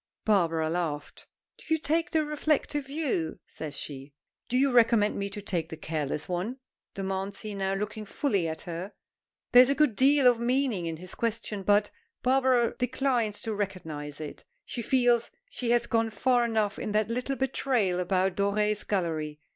Barbara laughed. "Do you take the reflective view?" says she. "Do you recommend me to take the careless one?" demands he, now looking fully at her. There is a good deal of meaning in his question, but Barbara declines to recognize it. She feels she has gone far enough in that little betrayal about Doré's Gallery.